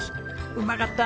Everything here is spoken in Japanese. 「うまかった」